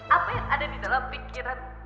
apa yang ada di dalam pikiran